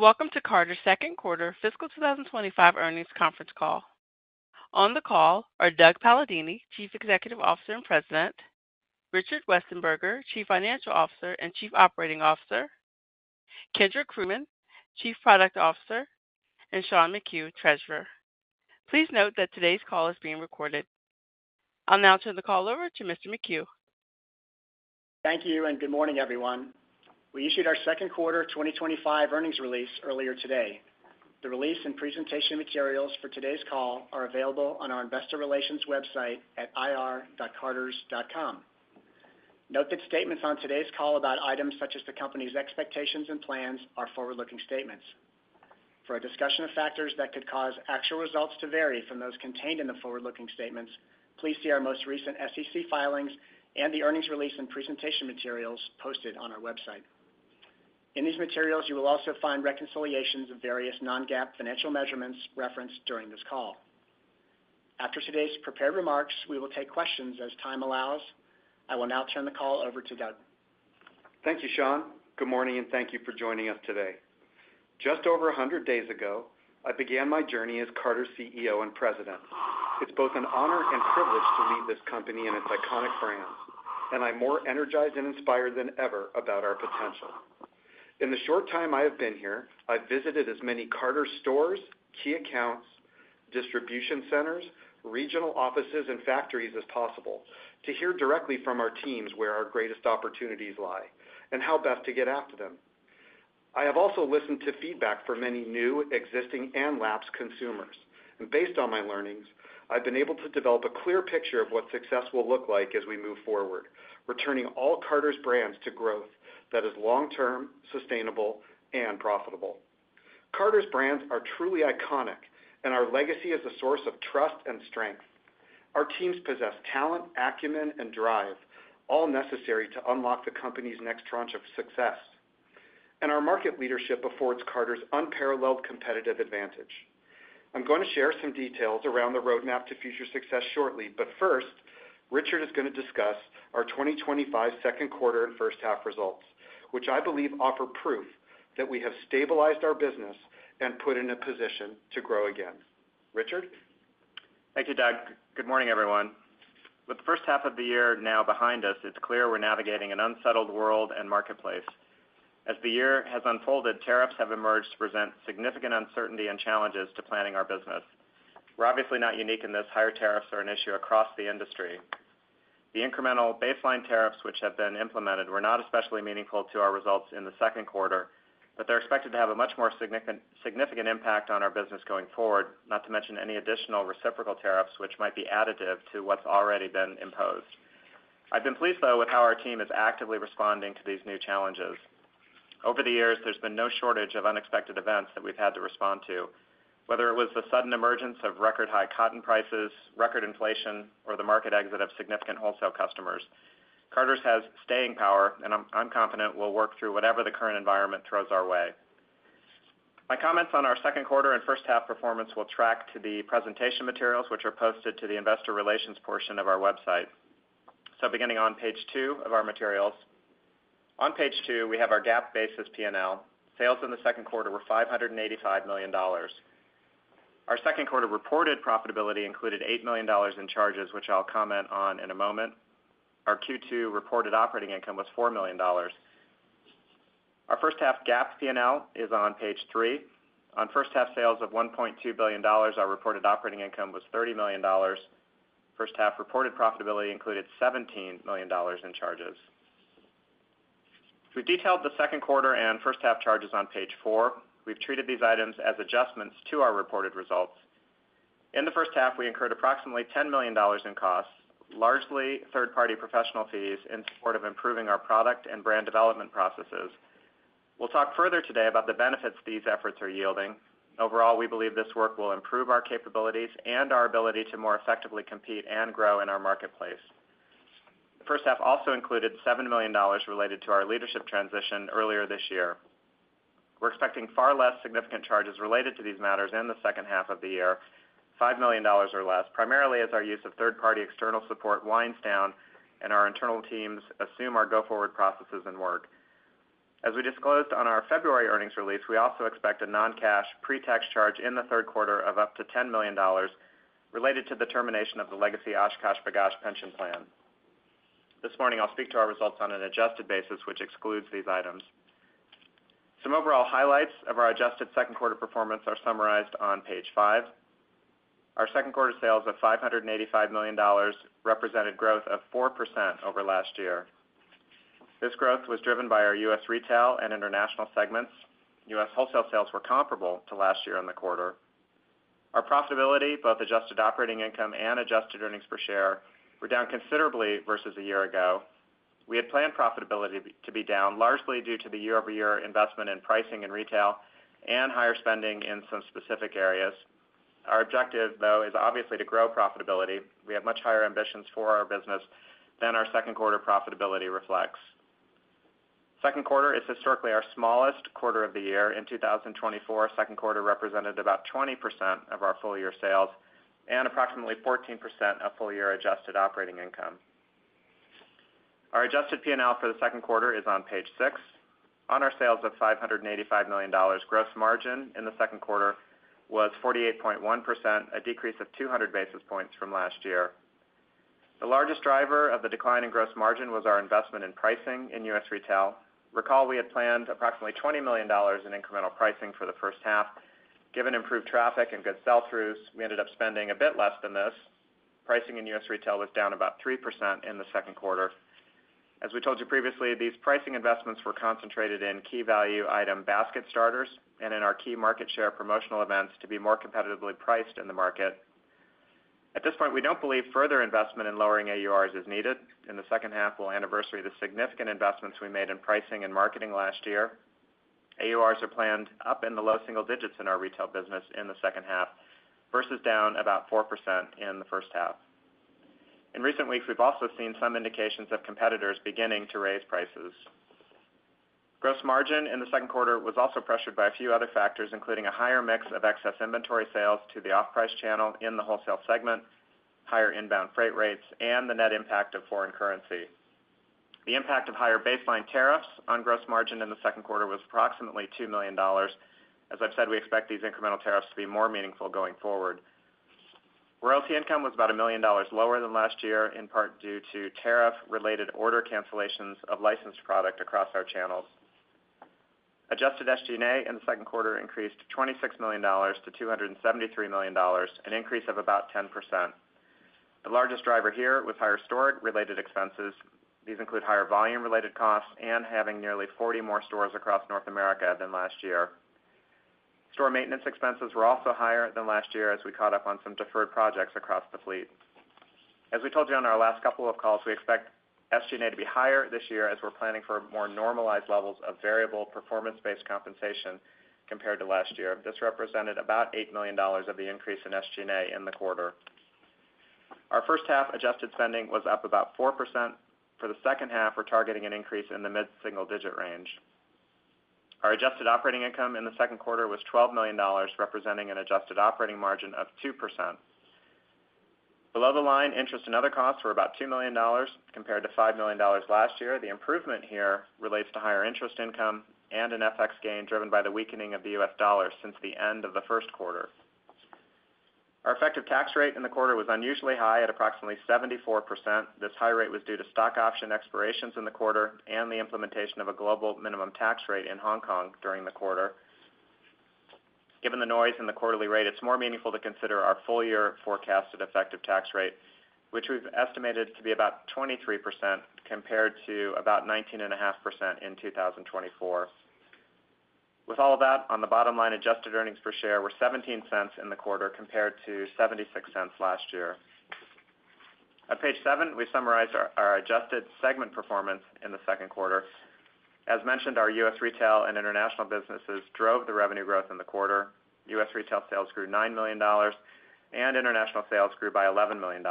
Welcome to Carter’s second quarter fiscal 2025 earnings conference call. On the call are Doug Palladini, Chief Executive Officer and President, Richard Westenberger, Chief Financial Officer and Chief Operating Officer, Kendra Krugman, Chief Product Officer, and Sean McHugh, Treasurer. Please note that today's call is being recorded. I'll now turn the call over to Mr. McHugh. Thank you and good morning, everyone. We issued our second quarter 2025 earnings release earlier today. The release and presentation materials for today's call are available on our investor relations website at ir.carters.com. Note that statements on today's call about items such as the company's expectations and plans are forward-looking statements. For a discussion of factors that could cause actual results to vary from those contained in the forward-looking statements, please see our most recent SEC filings and the earnings release and presentation materials posted on our website. In these materials, you will also find reconciliations of various non-GAAP financial measurements referenced during this call. After today's prepared remarks, we will take questions as time allows. I will now turn the call over to Doug. Thank you, Sean. Good morning and thank you for joining us today. Just over 100 days ago, I began my journey as Carter's CEO and President. It's both an honor and privilege to lead this company and its iconic brands, and I'm more energized and inspired than ever about our potential. In the short time I have been here, I've visited as many Carter's stores, key accounts, distribution centers, regional offices, and factories as possible to hear directly from our teams where our greatest opportunities lie and how best to get after them. I have also listened to feedback from many new, existing, and lapsed consumers, and based on my learnings, I've been able to develop a clear picture of what success will look like as we move forward, returning all Carter's brands to growth that is long-term, sustainable, and profitable. Carter's brands are truly iconic, and our legacy is a source of trust and strength. Our teams possess talent, acumen, and drive, all necessary to unlock the company's next tranche of success. Our market leadership affords Carter's unparalleled competitive advantage. I'm going to share some details around the roadmap to future success shortly, but first, Richard is going to discuss our 2025 second quarter and first half results, which I believe offer proof that we have stabilized our business and put in a position to grow again. Richard? Thank you, Doug. Good morning, everyone. With the first half of the year now behind us, it's clear we're navigating an unsettled world and marketplace. As the year has unfolded, tariffs have emerged to present significant uncertainty and challenges to planning our business. We're obviously not unique in this; higher tariffs are an issue across the industry. The incremental baseline tariffs, which have been implemented, were not especially meaningful to our results in the second quarter, but they're expected to have a much more significant impact on our business going forward, not to mention any additional reciprocal tariffs, which might be additive to what's already been imposed. I've been pleased, though, with how our team is actively responding to these new challenges. Over the years, there's been no shortage of unexpected events that we've had to respond to. Whether it was the sudden emergence of record high cotton prices, record inflation, or the market exit of significant wholesale customers, Carter's has staying power, and I'm confident we'll work through whatever the current environment throws our way. My comments on our second quarter and first half performance will track to the presentation materials, which are posted to the investor relations portion of our website. Beginning on page two of our materials, on page two, we have our GAAP basis P&L. Sales in the second quarter were $585 million. Our second quarter reported profitability included $8 million in charges, which I'll comment on in a moment. Our Q2 reported operating income was $4 million. Our first half GAAP P&L is on page three. On first half sales of $1.2 billion, our reported operating income was $30 million. First half reported profitability included $17 million in charges. We detailed the second quarter and first half charges on page four. We've treated these items as adjustments to our reported results. In the first half, we incurred approximately $10 million in costs, largely third-party professional fees in support of improving our product and brand development processes. We'll talk further today about the benefits these efforts are yielding. Overall, we believe this work will improve our capabilities and our ability to more effectively compete and grow in our marketplace. First half also included $7 million related to our leadership transition earlier this year. We're expecting far less significant charges related to these matters in the second half of the year, $5 million or less, primarily as our use of third-party external support winds down and our internal teams assume our go-forward processes and work. As we disclosed on our February earnings release, we also expect a non-cash pre-tax charge in the third quarter of up to $10 million related to the termination of the legacy OshKosh B’gosh pension plan. This morning, I'll speak to our results on an adjusted basis, which excludes these items. Some overall highlights of our adjusted second quarter performance are summarized on page five. Our second quarter sales of $585 million represented growth of 4% over last year. This growth was driven by our U.S. retail and international segments. U.S. wholesale sales were comparable to last year in the quarter. Our profitability, both adjusted operating income and adjusted earnings per share, were down considerably versus a year ago. We had planned profitability to be down largely due to the year-over-year investment in pricing and retail and higher spending in some specific areas. Our objective, though, is obviously to grow profitability. We have much higher ambitions for our business than our second quarter profitability reflects. Second quarter is historically our smallest quarter of the year. In 2024, second quarter represented about 20% of our full-year sales and approximately 14% of full-year adjusted operating income. Our adjusted P&L for the second quarter is on page six. On our sales of $585 million, gross margin in the second quarter was 48.1%, a decrease of 200 basis points from last year. The largest driver of the decline in gross margin was our investment in pricing in U.S. retail. Recall, we had planned approximately $20 million in incremental pricing for the first half. Given improved traffic and good sell-throughs, we ended up spending a bit less than this. Pricing in U.S. retail was down about 3% in the second quarter. As we told you previously, these pricing investments were concentrated in key value item basket starters and in our key market share promotional events to be more competitively priced in the market. At this point, we don't believe further investment in lowering AURs is needed. In the second half, we'll anniversary the significant investments we made in pricing and marketing last year. AURs are planned up in the low single digits in our retail business in the second half versus down about 4% in the first half. In recent weeks, we've also seen some indications of competitors beginning to raise prices. Gross margin in the second quarter was also pressured by a few other factors, including a higher mix of excess inventory sales to the off-price channel in the wholesale segment, higher inbound freight rates, and the net impact of foreign currency. The impact of higher baseline tariffs on gross margin in the second quarter was approximately $2 million. As I've said, we expect these incremental tariffs to be more meaningful going forward. Royalty income was about $1 million lower than last year, in part due to tariff-related order cancellations of licensed product across our channels. Adjusted SG&A in the second quarter increased $26 million-$273 million, an increase of about 10%. The largest driver here was higher storage-related expenses. These include higher volume-related costs and having nearly 40 more stores across North America than last year. Store maintenance expenses were also higher than last year as we caught up on some deferred projects across the fleet. As we told you on our last couple of calls, we expect SG&A to be higher this year as we're planning for more normalized levels of variable performance-based compensation compared to last year. This represented about $8 million of the increase in SG&A in the quarter. Our first half adjusted spending was up about 4%. For the second half, we're targeting an increase in the mid-single-digit range. Our adjusted operating income in the second quarter was $12 million, representing an adjusted operating margin of 2%. Below the line, interest and other costs were about $2 million compared to $5 million last year. The improvement here relates to higher interest income and an FX gain driven by the weakening of the US dollar since the end of the first quarter. Our effective tax rate in the quarter was unusually high at approximately 74%. This high rate was due to stock option expirations in the quarter and the implementation of a global minimum tax rate in Hong Kong during the quarter. Given the noise in the quarterly rate, it's more meaningful to consider our full-year forecasted effective tax rate, which we've estimated to be about 23% compared to about 19.5% in 2024. With all of that, on the bottom line, adjusted earnings per share were $0.17 in the quarter compared to $0.76 last year. At page seven, we summarize our adjusted segment performance in the second quarter. As mentioned, our U.S. retail and international businesses drove the revenue growth in the quarter. U.S. retail sales grew $9 million, and international sales grew by $11 million.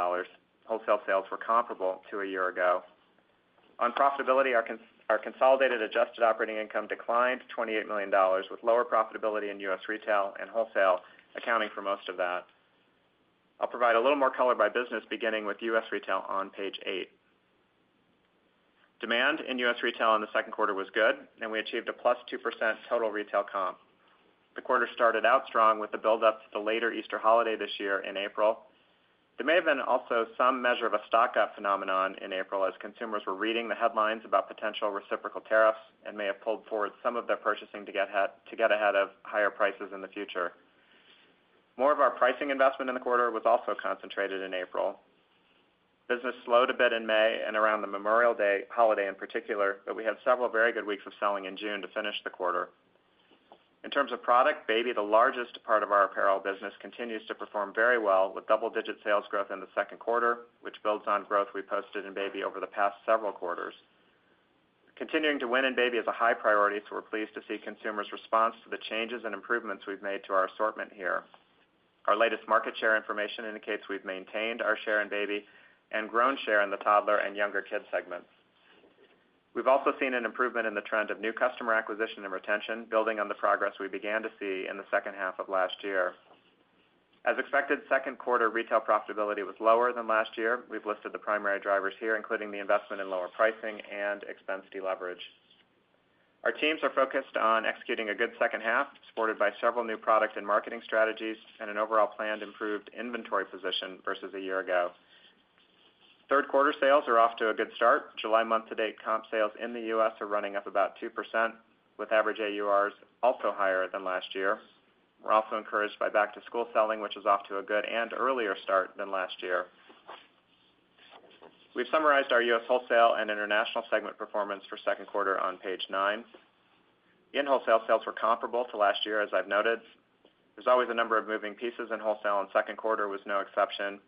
Wholesale sales were comparable to a year ago. On profitability, our consolidated adjusted operating income declined $28 million, with lower profitability in U.S. retail and wholesale accounting for most of that. I'll provide a little more color by business, beginning with U.S. retail on page eight. Demand in U.S. retail in the second quarter was good, and we achieved a +2% total retail comp. The quarter started out strong with the buildup to the later Easter holiday this year in April. There may have been also some measure of a stock up phenomenon in April as consumers were reading the headlines about potential reciprocal tariffs and may have pulled forward some of their purchasing to get ahead of higher prices in the future. More of our pricing investment in the quarter was also concentrated in April. Business slowed a bit in May and around the Memorial Day holiday in particular, but we had several very good weeks of selling in June to finish the quarter. In terms of product, Baby, the largest part of our apparel business, continues to perform very well with double-digit sales growth in the second quarter, which builds on growth we posted in Baby over the past several quarters. Continuing to win in Baby is a high priority, so we're pleased to see consumers' response to the changes and improvements we've made to our assortment here. Our latest market share information indicates we've maintained our share in Baby and grown share in the toddler and younger kid segments. We've also seen an improvement in the trend of new customer acquisition and retention, building on the progress we began to see in the second half of last year. As expected, second quarter retail profitability was lower than last year. We've listed the primary drivers here, including the investment in lower pricing and expense deleverage. Our teams are focused on executing a good second half, supported by several new product and marketing strategies and an overall planned improved inventory position versus a year ago. Third quarter sales are off to a good start. July month to date, comp sales in the U.S. are running up about 2%, with average AURs also higher than last year. We're also encouraged by back-to-school selling, which is off to a good and earlier start than last year. We've summarized our U.S. wholesale and international segment performance for the second quarter on page nine. In wholesale, sales were comparable to last year, as I've noted. There's always a number of moving pieces in wholesale, and the second quarter was no exception.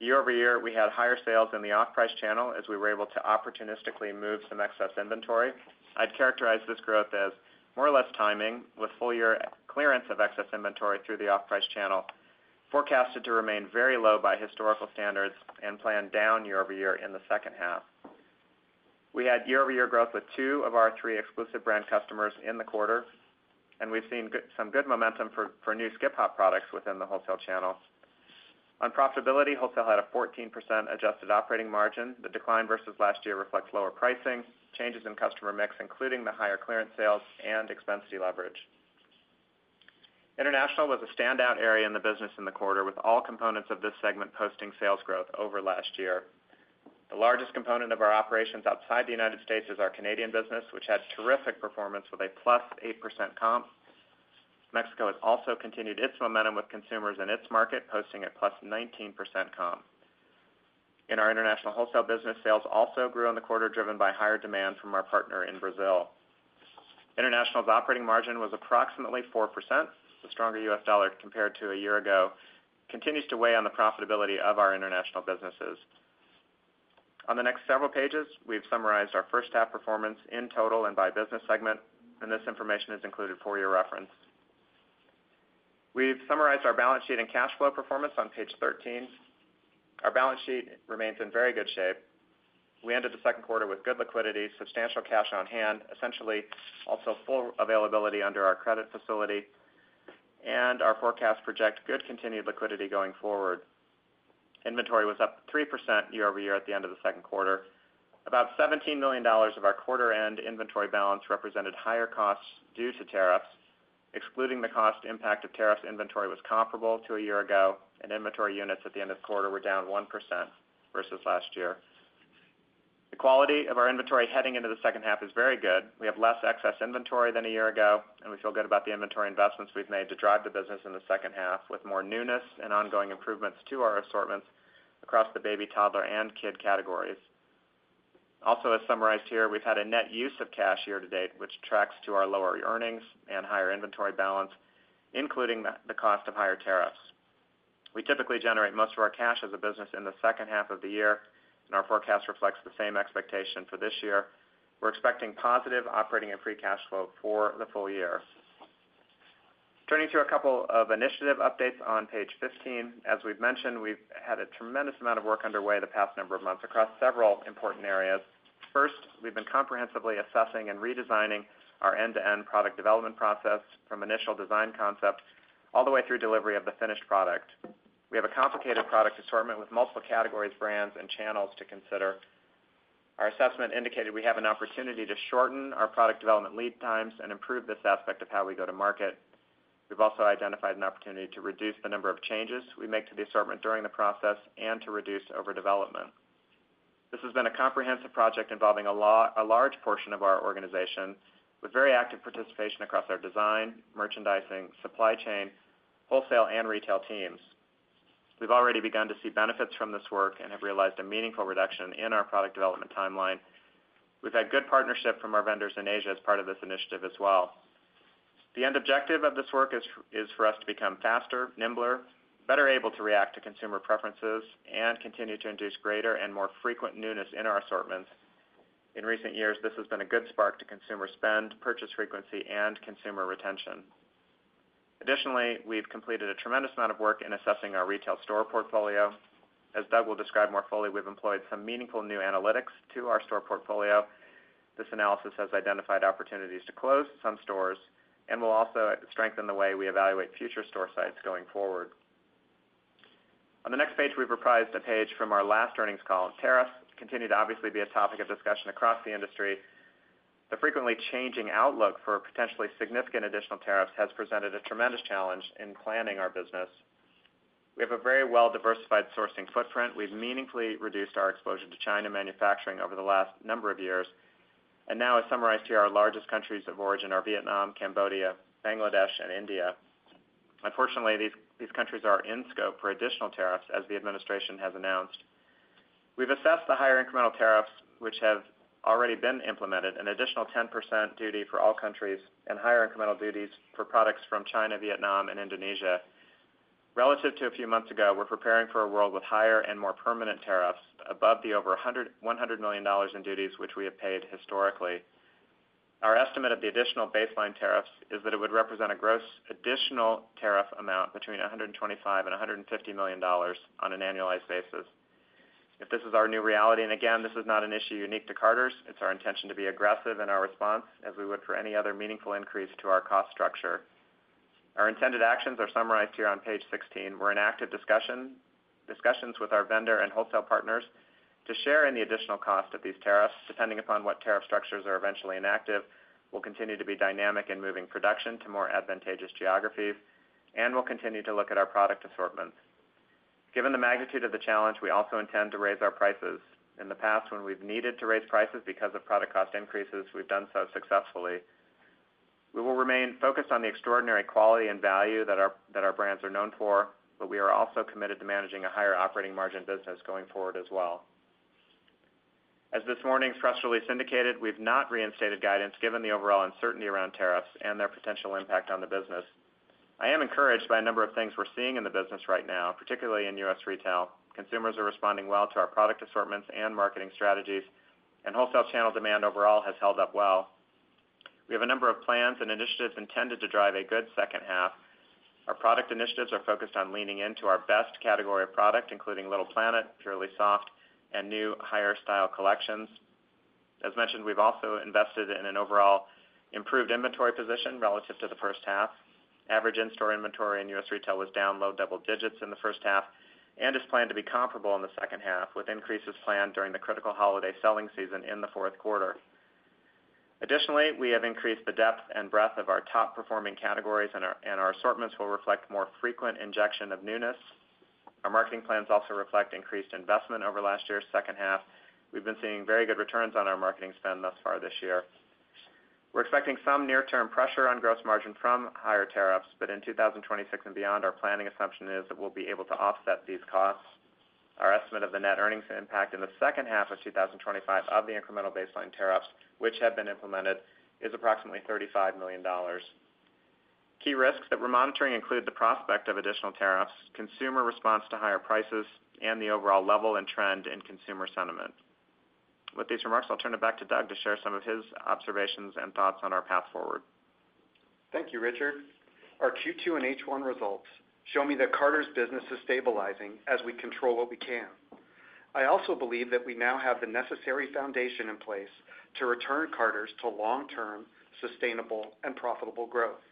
Year-over-year, we had higher sales in the off-price channel as we were able to opportunistically move some excess inventory. I'd characterize this growth as more or less timing, with full-year clearance of excess inventory through the off-price channel, forecasted to remain very low by historical standards and planned down year-over-year in the second half. We had year-over-year growth with two of our three exclusive brand customers in the quarter, and we've seen some good momentum for new Skip Hop products within the wholesale channel. On profitability, wholesale had a 14% adjusted operating margin. The decline versus last year reflects lower pricing, changes in customer mix, including the higher clearance sales, and expense deleverage. International was a standout area in the business in the quarter, with all components of this segment posting sales growth over last year. The largest component of our operations outside the United States is our Canadian business, which had terrific performance with a +8% comp. Mexico has also continued its momentum with consumers in its market, posting a +19% comp. In our international wholesale business, sales also grew in the quarter, driven by higher demand from our partner in Brazil. International's operating margin was approximately 4%. The stronger US dollar compared to a year ago continues to weigh on the profitability of our international businesses. On the next several pages, we've summarized our first half performance in total and by business segment, and this information is included for your reference. We've summarized our balance sheet and cash flow performance on page 13. Our balance sheet remains in very good shape. We ended the second quarter with good liquidity, substantial cash on hand, essentially also full availability under our credit facility, and our forecasts project good continued liquidity going forward. Inventory was up 3% year-over-year at the end of the second quarter. About $17 million of our quarter-end inventory balance represented higher costs due to tariffs. Excluding the cost impact of tariffs, inventory was comparable to a year ago, and inventory units at the end of the quarter were down 1% versus last year. The quality of our inventory heading into the second half is very good. We have less excess inventory than a year ago, and we feel good about the inventory investments we've made to drive the business in the second half, with more newness and ongoing improvements to our assortments across the baby, toddler, and kid categories. Also, as summarized here, we've had a net use of cash year to date, which tracks to our lower earnings and higher inventory balance, including the cost of higher tariffs. We typically generate most of our cash as a business in the second half of the year, and our forecast reflects the same expectation for this year. We're expecting positive operating and free cash flow for the full year. Turning to a couple of initiative updates on page 15, as we've mentioned, we've had a tremendous amount of work underway the past number of months across several important areas. First, we've been comprehensively assessing and redesigning our end-to-end product development process from initial design concept all the way through delivery of the finished product. We have a complicated product assortment with multiple categories, brands, and channels to consider. Our assessment indicated we have an opportunity to shorten our product development lead times and improve this aspect of how we go to market. We've also identified an opportunity to reduce the number of changes we make to the assortment during the process and to reduce overdevelopment. This has been a comprehensive project involving a large portion of our organization, with very active participation across our design, merchandising, supply chain, wholesale, and retail teams. We've already begun to see benefits from this work and have realized a meaningful reduction in our product development timeline. We've had good partnership from our vendors in Asia as part of this initiative as well. The end objective of this work is for us to become faster, nimbler, better able to react to consumer preferences, and continue to induce greater and more frequent newness in our assortments. In recent years, this has been a good spark to consumer spend, purchase frequency, and consumer retention. Additionally, we've completed a tremendous amount of work in assessing our retail store portfolio. As Doug will describe more fully, we've employed some meaningful new analytics to our store portfolio. This analysis has identified opportunities to close some stores and will also strengthen the way we evaluate future store sites going forward. On the next page, we've reprised a page from our last earnings call. Tariffs continue to obviously be a topic of discussion across the industry. The frequently changing outlook for potentially significant additional tariffs has presented a tremendous challenge in planning our business. We have a very well-diversified sourcing footprint. We've meaningfully reduced our exposure to China manufacturing over the last number of years, and now, as summarized here, our largest countries of origin are Vietnam, Cambodia, Bangladesh, and India. Unfortunately, these countries are in scope for additional tariffs, as the administration has announced. We've assessed the higher incremental tariffs, which have already been implemented, an additional 10% duty for all countries and higher incremental duties for products from China, Vietnam, and Indonesia. Relative to a few months ago, we're preparing for a world with higher and more permanent tariffs above the over $100 million in duties, which we have paid historically. Our estimate of the additional baseline tariffs is that it would represent a gross additional tariff amount between $125 million and $150 million on an annualized basis. If this is our new reality, and again, this is not an issue unique to Carter’s, it's our intention to be aggressive in our response as we would for any other meaningful increase to our cost structure. Our intended actions are summarized here on page 16. We're in active discussions with our vendor and wholesale partners to share in the additional cost of these tariffs. Depending upon what tariff structures are eventually in effect, we'll continue to be dynamic in moving production to more advantageous geographies, and we'll continue to look at our product assortments. Given the magnitude of the challenge, we also intend to raise our prices. In the past, when we've needed to raise prices because of product cost increases, we've done so successfully. We will remain focused on the extraordinary quality and value that our brands are known for, but we are also committed to managing a higher operating margin business going forward as well. As this morning's press release indicated, we've not reinstated guidance given the overall uncertainty around tariffs and their potential impact on the business. I am encouraged by a number of things we're seeing in the business right now, particularly in U.S. retail. Consumers are responding well to our product assortments and marketing strategies, and wholesale channel demand overall has held up well. We have a number of plans and initiatives intended to drive a good second half. Our product initiatives are focused on leaning into our best category of product, including Little Planet, PurelySoft, and new higher style collections. As mentioned, we've also invested in an overall improved inventory position relative to the first half. Average in-store inventory in U.S. retail was down low double digits in the first half and is planned to be comparable in the second half, with increases planned during the critical holiday selling season in the fourth quarter. Additionally, we have increased the depth and breadth of our top performing categories, and our assortments will reflect more frequent injection of newness. Our marketing plans also reflect increased investment over last year's second half. We've been seeing very good returns on our marketing spend thus far this year. We're expecting some near-term pressure on gross margin from higher tariffs, but in 2026 and beyond, our planning assumption is that we'll be able to offset these costs. Our estimate of the net earnings impact in the second half of 2025 of the incremental baseline tariffs, which have been implemented, is approximately $35 million. Key risks that we're monitoring include the prospect of additional tariffs, consumer response to higher prices, and the overall level and trend in consumer sentiment. With these remarks, I'll turn it back to Doug to share some of his observations and thoughts on our path forward. Thank you, Richard. Our Q2 and H1 results show me that Carter's business is stabilizing as we control what we can. I also believe that we now have the necessary foundation in place to return Carter's to long-term, sustainable, and profitable growth.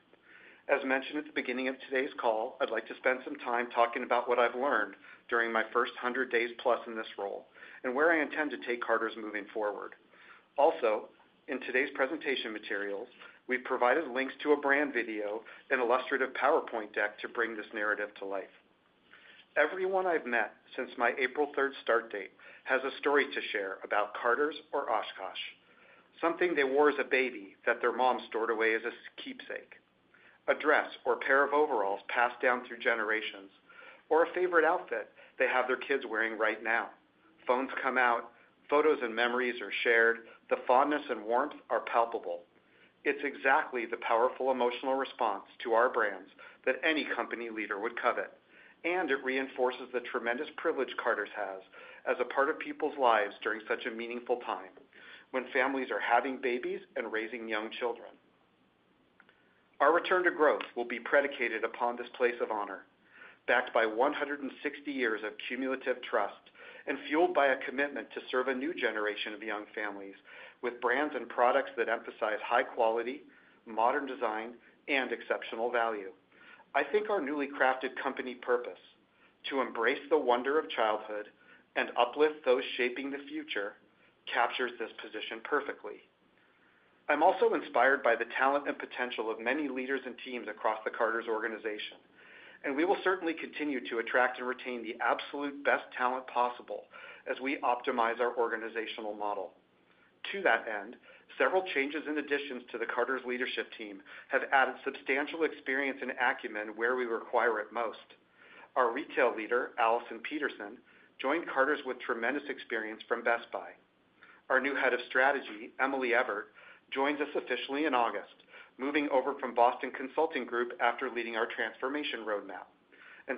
As mentioned at the beginning of today's call, I'd like to spend some time talking about what I've learned during my first 100 days+ in this role and where I intend to take Carter's moving forward. Also, in today's presentation materials, we've provided links to a brand video and illustrative PowerPoint deck to bring this narrative to life. Everyone I've met since my April 3rd start date has a story to share about Carter's or Oshkosh, something they wore as a baby that their mom stored away as a keepsake, a dress or a pair of overalls passed down through generations, or a favorite outfit they have their kids wearing right now. Phones come out, photos and memories are shared, the fondness and warmth are palpable. It's exactly the powerful emotional response to our brands that any company leader would covet, and it reinforces the tremendous privilege Carter's has as a part of people's lives during such a meaningful time when families are having babies and raising young children. Our return to growth will be predicated upon this place of honor, backed by 160 years of cumulative trust and fueled by a commitment to serve a new generation of young families with brands and products that emphasize high quality, modern design, and exceptional value. I think our newly crafted company purpose to embrace the wonder of childhood and uplift those shaping the future captures this position perfectly. I'm also inspired by the talent and potential of many leaders and teams across the Carter's organization, and we will certainly continue to attract and retain the absolute best talent possible as we optimize our organizational model. To that end, several changes and additions to the Carter's leadership team have added substantial experience and acumen where we require it most. Our Retail leader, Allison Peterson, joined Carter's with tremendous experience from Best Buy. Our new Head of Strategy, Emily Ever, joins us officially in August, moving over from Boston Consulting Group after leading our transformation roadmap.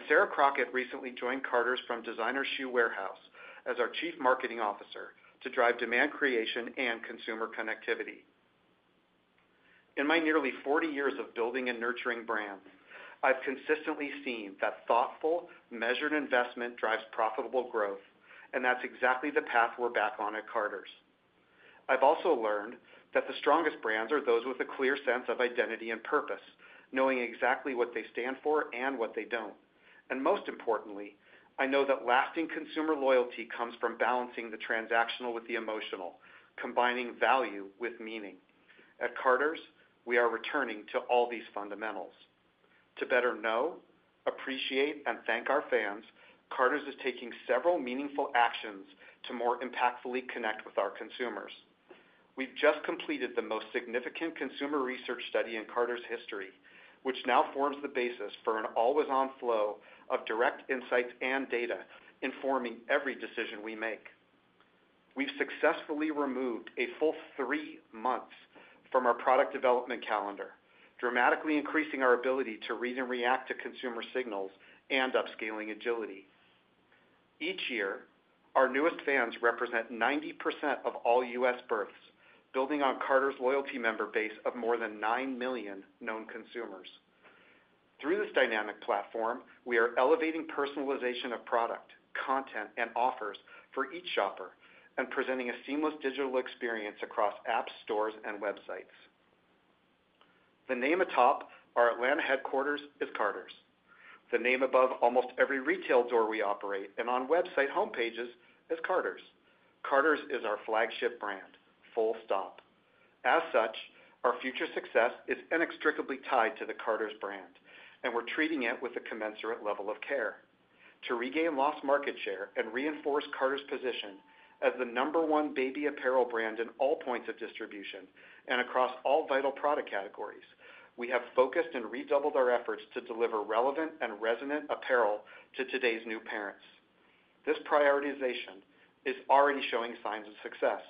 Sarah Crockett recently joined Carter's from Designer Shoe Warehouse as our Chief Marketing Officer to drive demand creation and consumer connectivity. In my nearly 40 years of building and nurturing brands, I've consistently seen that thoughtful, measured investment drives profitable growth, and that's exactly the path we're back on at Carter's. I've also learned that the strongest brands are those with a clear sense of identity and purpose, knowing exactly what they stand for and what they don't. Most importantly, I know that lasting consumer loyalty comes from balancing the transactional with the emotional, combining value with meaning. At Carter's, we are returning to all these fundamentals. To better know, appreciate, and thank our fans, Carter's is taking several meaningful actions to more impactfully connect with our consumers. We've just completed the most significant consumer research study in Carter's history, which now forms the basis for an always-on flow of direct insights and data informing every decision we make. We've successfully removed a full three months from our product development calendar, dramatically increasing our ability to read and react to consumer signals and upscaling agility. Each year, our newest fans represent 90% of all U.S. births, building on Carter's loyalty member base of more than 9 million known consumers. Through this dynamic platform, we are elevating personalization of product, content, and offers for each shopper and presenting a seamless digital experience across apps, stores, and websites. The name atop our Atlanta headquarters is Carter's. The name above almost every retail door we operate and on website homepages is Carter's. Carter's is our flagship brand, full stop. As such, our future success is inextricably tied to the Carter's brand, and we're treating it with a commensurate level of care. To regain lost market share and reinforce Carter's position as the number one baby apparel brand in all points of distribution and across all vital product categories, we have focused and redoubled our efforts to deliver relevant and resonant apparel to today's new parents. This prioritization is already showing signs of success.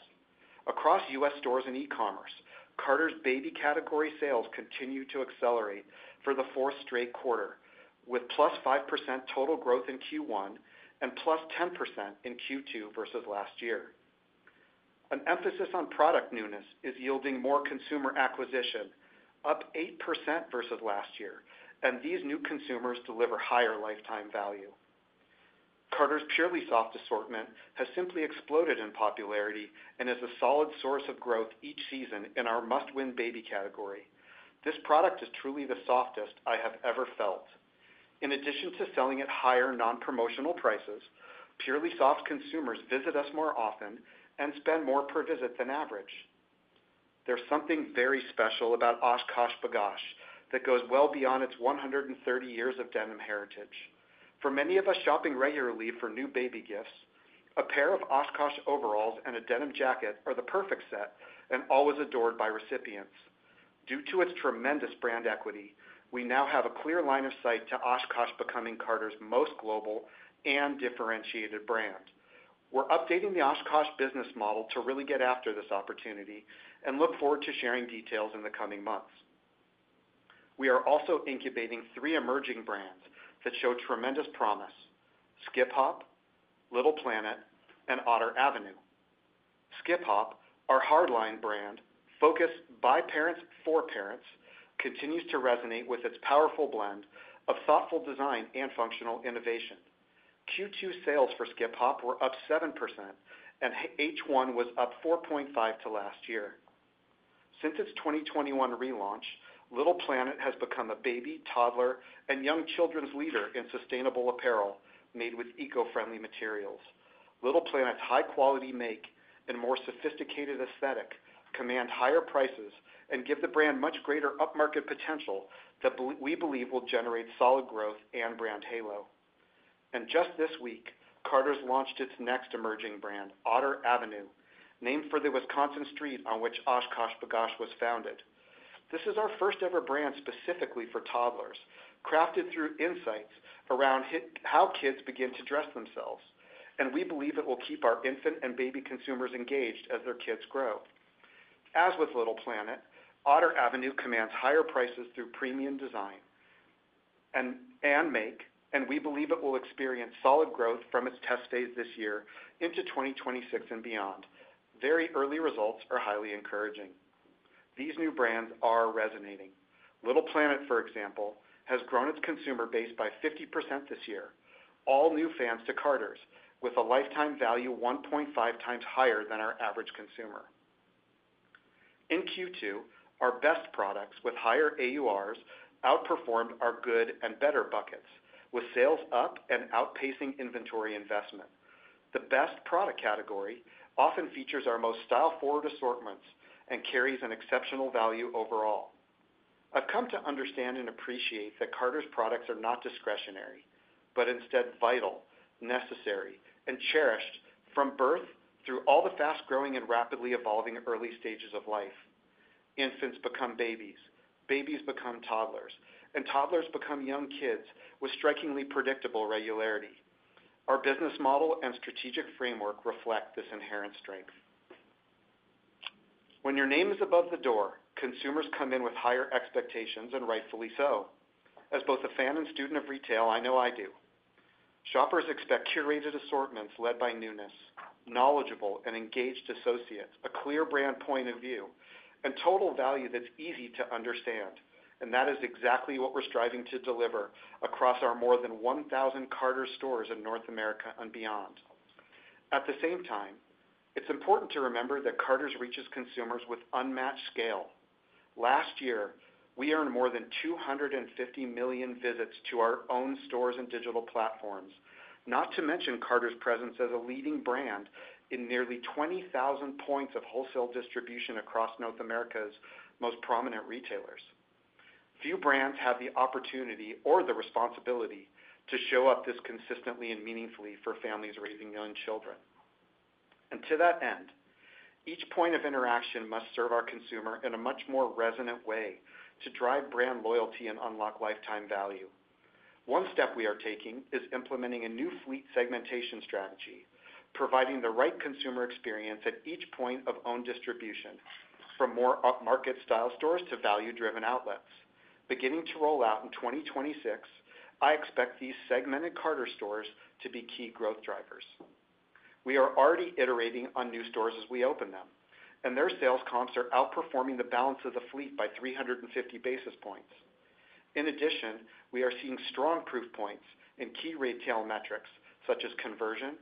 Across U.S. stores and e-commerce, Carter's baby category sales continue to accelerate for the fourth straight quarter, with +5% total growth in Q1 and +10% in Q2 versus last year. An emphasis on product newness is yielding more consumer acquisition, up 8% versus last year, and these new consumers deliver higher lifetime value. Carter's Purely Soft assortment has simply exploded in popularity and is a solid source of growth each season in our must-win baby category. This product is truly the softest I have ever felt. In addition to selling at higher non-promotional prices, PurelySoft consumers visit us more often and spend more per visit than average. There's something very special about OshKosh that goes well beyond its 130 years of denim heritage. For many of us shopping regularly for new baby gifts, a pair of OshKosh overalls and a denim jacket are the perfect set and always adored by recipients. Due to its tremendous brand equity, we now have a clear line of sight to OshKosh becoming Carter's most global and differentiated brand. We're updating the OshKosh business model to really get after this opportunity and look forward to sharing details in the coming months. We are also incubating three emerging brands that show tremendous promise: Skip Hop, Little Planet, and Otter Avenue. Skip Hop, our hardline brand focused by parents for parents, continues to resonate with its powerful blend of thoughtful design and functional innovation. Q2 sales for Skip Hop were up 7%, and H1 was up 4.5% to last year. Since its 2021 relaunch, Little Planet has become a baby, toddler, and young children's leader in sustainable apparel made with eco-friendly materials. Little Planet's high-quality make and more sophisticated aesthetic command higher prices and give the brand much greater up-market potential that we believe will generate solid growth and brand halo. Just this week, Carter's launched its next emerging brand, Otter Avenue, named for the Wisconsin street on which OshKosh B’gosh was founded. This is our first-ever brand specifically for toddlers, crafted through insights around how kids begin to dress themselves, and we believe it will keep our infant and baby consumers engaged as their kids grow. As with Little Planet, Otter Avenue commands higher prices through premium design and make, and we believe it will experience solid growth from its test phase this year into 2026 and beyond. Very early results are highly encouraging. These new brands are resonating. Little Planet, for example, has grown its consumer base by 50% this year, all new fans to Carter's, with a lifetime value 1.5x higher than our average consumer. In Q2, our best products with higher AURs outperformed our good and better buckets, with sales up and outpacing inventory investment. The best product category often features our most style-forward assortments and carries an exceptional value overall. I've come to understand and appreciate that Carter's products are not discretionary, but instead vital, necessary, and cherished from birth through all the fast-growing and rapidly evolving early stages of life. Infants become babies, babies become toddlers, and toddlers become young kids with strikingly predictable regularity. Our business model and strategic framework reflect this inherent strength. When your name is above the door, consumers come in with higher expectations, and rightfully so. As both a fan and student of retail, I know I do. Shoppers expect curated assortments led by newness, knowledgeable and engaged associates, a clear brand point of view, and total value that's easy to understand. That is exactly what we're striving to deliver across our more than 1,000 Carter's stores in North America and beyond. At the same time, it's important to remember that Carter's reaches consumers with unmatched scale. Last year, we earned more than 250 million visits to our own stores and digital platforms, not to mention Carter's presence as a leading brand in nearly 20,000 points of wholesale distribution across North America's most prominent retailers. Few brands have the opportunity or the responsibility to show up this consistently and meaningfully for families raising young children. To that end, each point of interaction must serve our consumer in a much more resonant way to drive brand loyalty and unlock lifetime value. One step we are taking is implementing a new fleet segmentation strategy, providing the right consumer experience at each point of owned distribution, from more up-market style stores to value-driven outlets. Beginning to roll out in 2026, I expect these segmented Carter's stores to be key growth drivers. We are already iterating on new stores as we open them, and their sales comps are outperforming the balance of the fleet by 350 basis points. In addition, we are seeing strong proof points in key retail metrics such as conversion,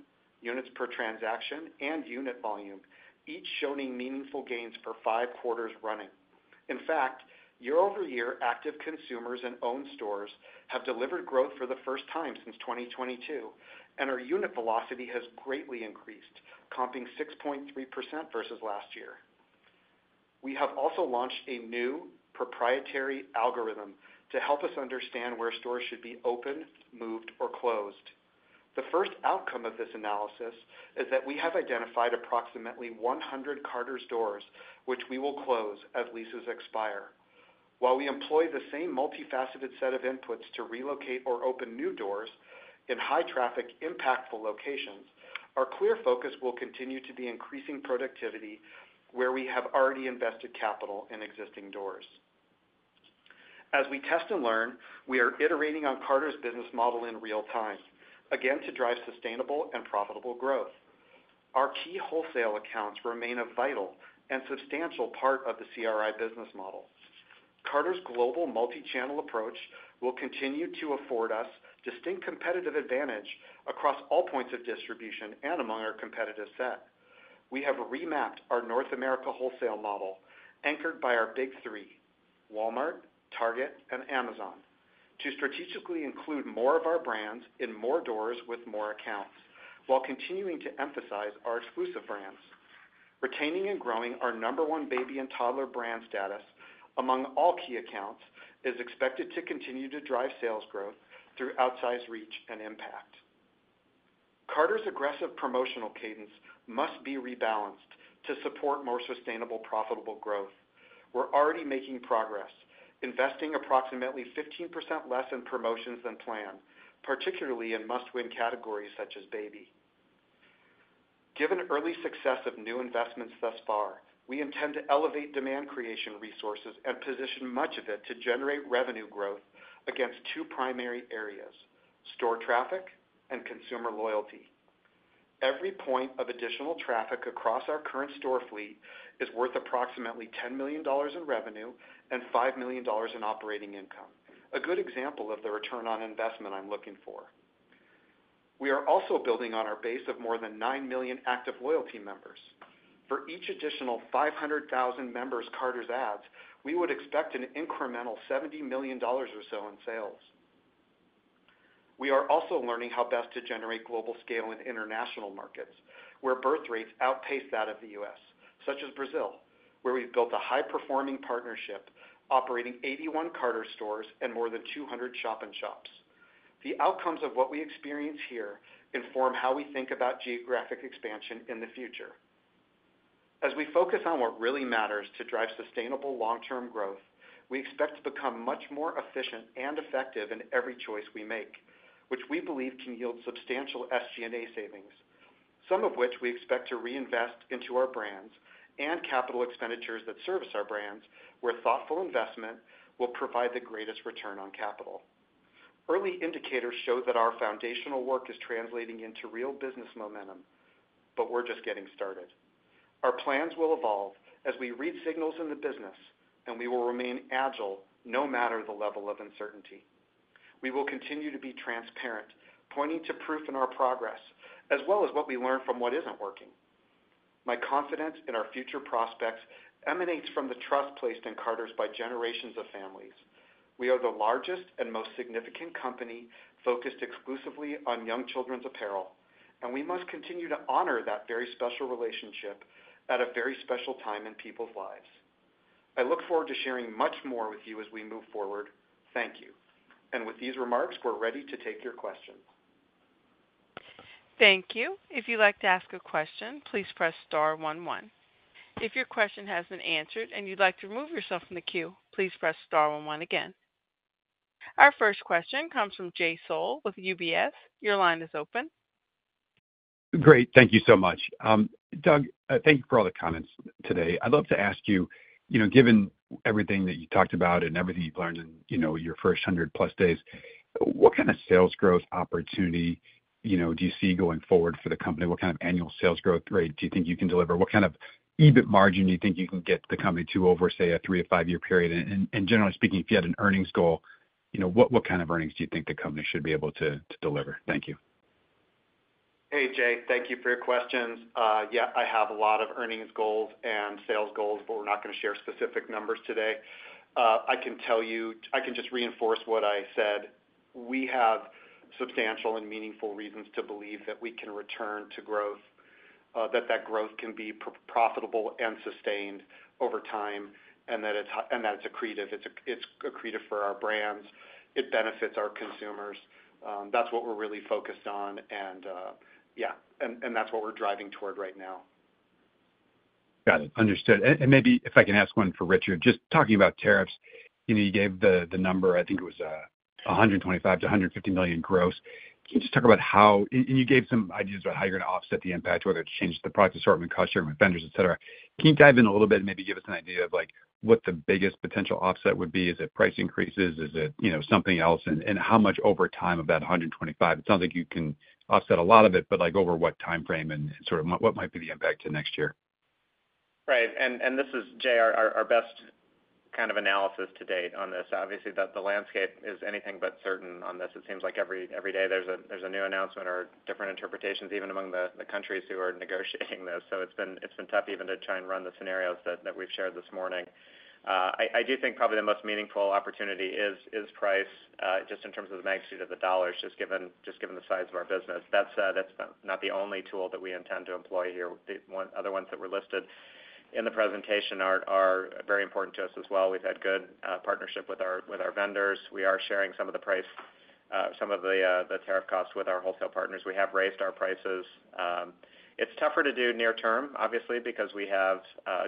units per transaction, and unit volume, each showing meaningful gains for five quarters running. In fact, year-over-year active consumers and owned stores have delivered growth for the first time since 2022, and our unit velocity has greatly increased, comping 6.3% versus last year. We have also launched a new proprietary algorithm to help us understand where stores should be open, moved, or closed. The first outcome of this analysis is that we have identified approximately 100 Carter’s doors which we will close as leases expire. While we employ the same multifaceted set of inputs to relocate or open new doors in high-traffic, impactful locations, our clear focus will continue to be increasing productivity where we have already invested capital in existing doors. As we test and learn, we are iterating on Carter’s business model in real time, again to drive sustainable and profitable growth. Our key wholesale accounts remain a vital and substantial part of the CRI business model. Carter’s global multi-channel approach will continue to afford us distinct competitive advantage across all points of distribution and among our competitive set. We have remapped our North America wholesale model, anchored by our big three: Walmart, Target, and Amazon, to strategically include more of our brands in more doors with more accounts, while continuing to emphasize our exclusive brands. Retaining and growing our number one baby and toddler brand status among all key accounts is expected to continue to drive sales growth through outsized reach and impact. Carter’s aggressive promotional cadence must be rebalanced to support more sustainable, profitable growth. We're already making progress, investing approximately 15% less in promotions than planned, particularly in must-win categories such as baby. Given early success of new investments thus far, we intend to elevate demand creation resources and position much of it to generate revenue growth against two primary areas: store traffic and consumer loyalty. Every point of additional traffic across our current store fleet is worth approximately $10 million in revenue and $5 million in operating income, a good example of the return on investment I'm looking for. We are also building on our base of more than 9 million active loyalty members. For each additional 500,000 members Carter’s adds, we would expect an incremental $70 million or so in sales. We are also learning how best to generate global scale in international markets where birth rates outpace that of the U.S., such as Brazil, where we've built a high-performing partnership operating 81 Carter’s stores and more than 200 shop and shops. The outcomes of what we experience here inform how we think about geographic expansion in the future. As we focus on what really matters to drive sustainable long-term growth, we expect to become much more efficient and effective in every choice we make, which we believe can yield substantial SG&A savings, some of which we expect to reinvest into our brands and capital expenditures that service our brands, where thoughtful investment will provide the greatest return on capital. Early indicators show that our foundational work is translating into real business momentum, but we're just getting started. Our plans will evolve as we read signals in the business, and we will remain agile no matter the level of uncertainty. We will continue to be transparent, pointing to proof in our progress, as well as what we learn from what isn't working. My confidence in our future prospects emanates from the trust placed in Carter’s by generations of families. We are the largest and most significant company focused exclusively on young children's apparel, and we must continue to honor that very special relationship at a very special time in people's lives. I look forward to sharing much more with you as we move forward. Thank you. With these remarks, we're ready to take your questions. Thank you. If you'd like to ask a question, please press star one one. If your question has been answered and you'd like to remove yourself from the queue, please press star one one again. Our first question comes from Jay Sole with UBS. Your line is open. Great. Thank you so much. Doug, thank you for all the comments today. I'd love to ask you, given everything that you talked about and everything you've learned in your first 100+ days, what kind of sales growth opportunity do you see going forward for the company? What kind of annual sales growth rate do you think you can deliver? What kind of EBIT margin do you think you can get the company to over, say, a three to five-year period? Generally speaking, if you had an earnings goal, what kind of earnings do you think the company should be able to deliver? Thank you. Hey, Jay. Thank you for your questions. I have a lot of earnings goals and sales goals, but we're not going to share specific numbers today. I can tell you, I can just reinforce what I said. We have substantial and meaningful reasons to believe that we can return to growth, that growth can be profitable and sustained over time, and that it's accretive. It's accretive for our brands. It benefits our consumers. That's what we're really focused on, and that's what we're driving toward right now. Got it. Understood. Maybe if I can ask one for Richard, just talking about tariffs, you gave the number, I think it was $125 million-$150 million gross. Can you just talk about how, and you gave some ideas about how you're going to offset the impact, whether it's changing the product assortment, cost sharing with vendors, et cetera. Can you dive in a little bit and maybe give us an idea of what the biggest potential offset would be? Is it price increases? Is it something else? How much over time of that $125? It sounds like you can offset a lot of it, but over what timeframe and sort of what might be the impact to next year? Right. This is, Jay, our best kind of analysis to date on this. Obviously, the landscape is anything but certain on this. It seems like every day there's a new announcement or different interpretations, even among the countries who are negotiating this. It's been tough even to try and run the scenarios that we've shared this morning. I do think probably the most meaningful opportunity is price, just in terms of the magnitude of the dollars, just given the size of our business. That's not the only tool that we intend to employ here. The other ones that were listed in the presentation are very important to us as well. We've had good partnership with our vendors. We are sharing some of the price, some of the tariff costs with our wholesale partners. We have raised our prices. It's tougher to do near term, obviously, because we have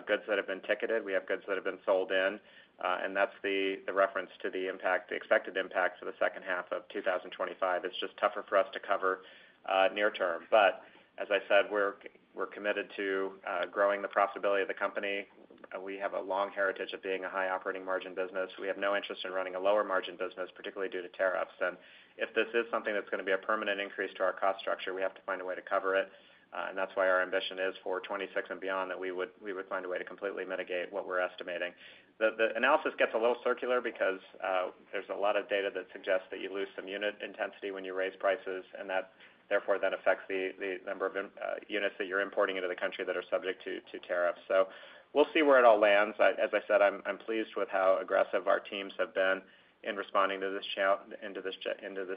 goods that have been ticketed, we have goods that have been sold in, and that's the reference to the impact, the expected impact for the second half of 2025. It's just tougher for us to cover near term. As I said, we're committed to growing the profitability of the company. We have a long heritage of being a high operating margin business. We have no interest in running a lower margin business, particularly due to tariffs. If this is something that's going to be a permanent increase to our cost structure, we have to find a way to cover it. That's why our ambition is for 2026 and beyond that we would find a way to completely mitigate what we're estimating. The analysis gets a little circular because there's a lot of data that suggests that you lose some unit intensity when you raise prices, and that therefore affects the number of units that you're importing into the country that are subject to tariffs. We'll see where it all lands. As I said, I'm pleased with how aggressive our teams have been in responding to this